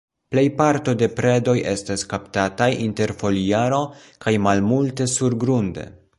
Plejparto de predoj estas kaptataj inter foliaro, kaj malmulte surgrunde.